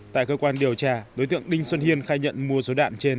tại cơ quan điều tra đối tượng đinh xuân hiên khai nhận mua số đạn trên